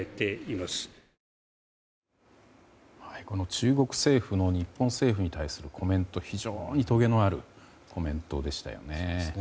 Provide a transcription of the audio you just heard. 中国政府の日本政府に対するコメントは非常にとげのあるコメントでしたね。